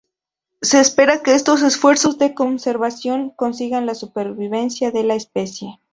Se espera que estos esfuerzos de conservación consigan la supervivencia de la especie.